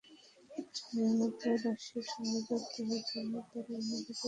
ক্রিমিয়ার মতোই রাশিয়ার সঙ্গে যুক্ত হওয়ার জন্য তারা গণভোটের দাবি জানিয়েছে।